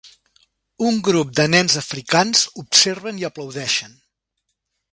Un grup de nens africans observen i aplaudeixen.